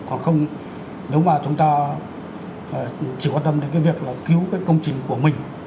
còn không nếu mà chúng ta chỉ quan tâm đến cái việc là cứu cái công trình của mình